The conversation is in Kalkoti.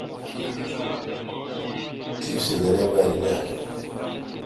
تی سہ درے باریل آ؟